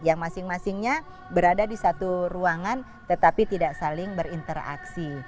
yang masing masingnya berada di satu ruangan tetapi tidak saling berinteraksi